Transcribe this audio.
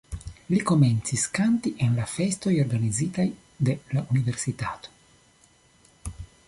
Li komencis kanti en la festoj organizitaj de la universitato.